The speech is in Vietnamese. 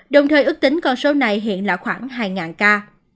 đồng thời ước tính con số này hiện là khoảng hai ca